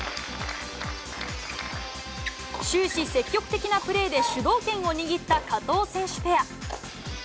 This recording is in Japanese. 終始積極的なプレーで主導権を握った加藤選手ペア。